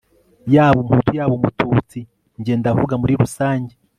yaba umuhutu yaba umututsi, njye ndavuga muri rusange..